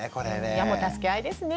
いやもう助け合いですね